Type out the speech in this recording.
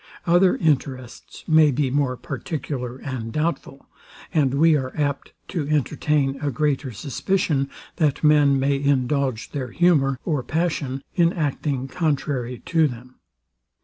Other interests may be more particular and doubtful; and we are apt to entertain a greater suspicion, that men may indulge their humour, or passion, in acting contrary to them.